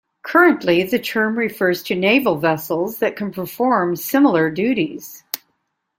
Currently the term refers to naval vessels that can perform similar duties.